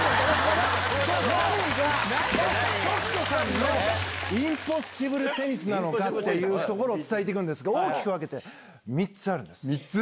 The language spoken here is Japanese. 何が凱人さんのインポッシブルテニスなのかっていうところを伝えていくんですが、大きく分けて３３つ？